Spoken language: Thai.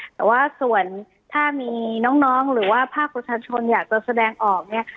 แต่ว่าส่วนถ้ามีน้องหรือว่าภาคประชาชนอยากจะแสดงออก